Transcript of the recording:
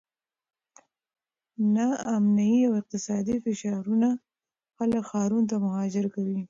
ناامني او اقتصادي فشارونه خلک ښارونو ته مهاجر کوي.